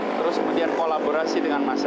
terus kemudian kolaborasi dengan warga negara